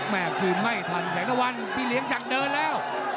แม่คืนไม่ทันแสงตะวันพี่เลี้ยงสั่งเดินแล้ว